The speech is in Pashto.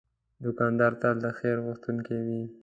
دوکاندار تل د خیر غوښتونکی وي.